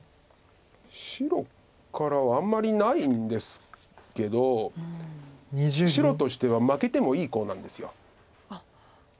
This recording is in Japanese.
白からはあんまりないんですけど白としては負けてもいいコウなんです。